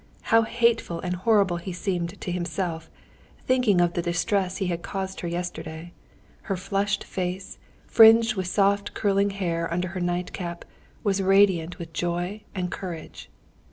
How hateful and horrible he seemed to himself, thinking of the distress he had caused her yesterday. Her flushed face, fringed with soft curling hair under her night cap, was radiant with joy and courage.